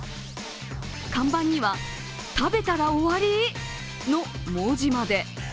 看板には「食べたら、終わり」の文字まで。